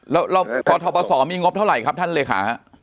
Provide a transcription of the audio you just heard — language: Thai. แล้วกองทุนทอปศมีงบเท่าไหร่ครับท่านเลยค่ะ